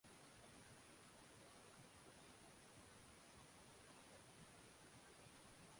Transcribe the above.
天爱苑内设有两个小型的儿童游乐场及一个凉亭。